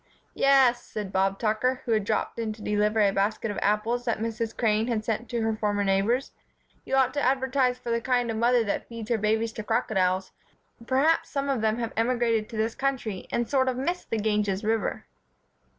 "Yes," said Bob Tucker, who had dropped in to deliver the basket of apples that Mrs. Crane had sent to her former neighbors, "you ought to advertise for the kind of mother that feeds her babies to crocodiles. Perhaps some of them have emigrated to this country and sort of miss the Ganges River."